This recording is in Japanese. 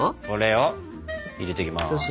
これを入れていきます。